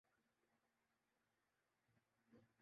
اعلی طبقے کی نمائندگی کی ہے